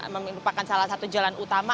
merupakan salah satu jalan utama